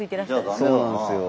そうなんですよ。